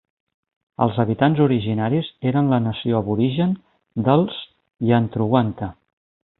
Els habitants originaris eren la nació aborigen dels Yantruwanta.